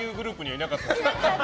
いなかったですね。